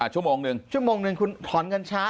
ชั่วโมงหนึ่งคุณถอนเงินช้า